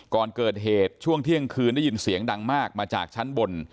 ก่อนเกิดเหตุช่วงเที่ยงคืนได้ยินเสียงดังมากมาจากชั้นบน